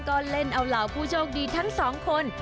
ก็เล่นเอาเหล่าผู้โชคดีทั้งสองคน